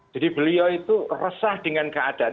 beliau itu resah dengan keadaan